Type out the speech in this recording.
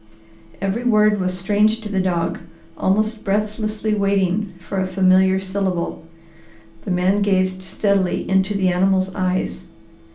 Every word was strange to the dog, almost breathlessly waiting for a familiar syllable. The man gazed steadily into the animal's eyes.